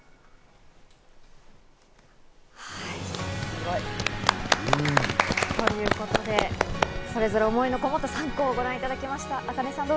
すごい！ということでそれぞれ思いのこもった３校をご覧いただきました。